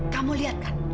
kamu lihat kan